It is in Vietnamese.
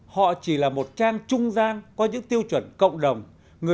họ chỉ là một trang trung gian có những tiêu chuẩn cộng đồng